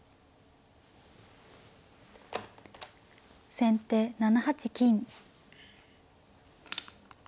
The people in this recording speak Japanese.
先手７八金。